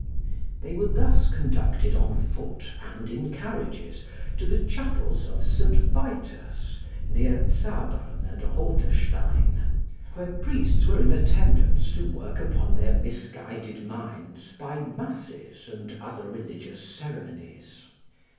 They were thus conducted on foot and in carriages to the chapels of St. Vitus, near Zabern and Rotestein, where priests were in attendance to work upon their misguided minds by masses and other religious ceremonies.